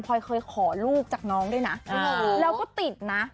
พอยเคยขอลูกจากน้องด้วยนะแล้วก็ติดนะ